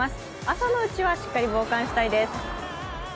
朝のうちはしっかり防寒したいです。